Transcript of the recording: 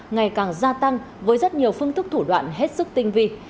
ngày càng gia tăng với rất nhiều phương thức thủ đoạn hết sức tinh vi